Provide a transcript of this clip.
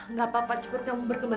nggak apa apa cepat kamu berkembang